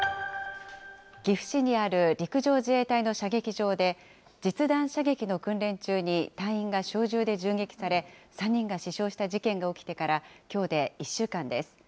岐阜市にある陸上自衛隊の射撃場で、実弾射撃の訓練中に隊員が小銃で銃撃され、３人が死傷した事件が起きてからきょうで１週間です。